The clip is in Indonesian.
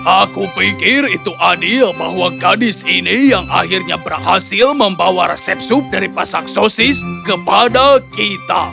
aku pikir itu adil bahwa gadis ini yang akhirnya berhasil membawa resep sup dari pasak sosis kepada kita